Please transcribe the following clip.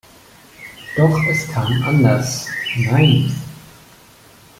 Doch es kam anders: "Nein!